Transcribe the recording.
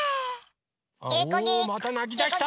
おまたなきだした！